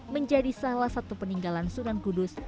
menjadi salah satu peninggalan sunan kudus